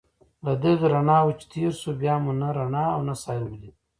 له دغو رڼاوو چې تېر شوو، بیا مو نه رڼا او نه ساحل ولید.